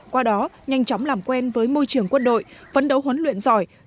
qua đó nhanh chóng làm quen với môi trường quân đội vấn đấu huấn luyện giỏi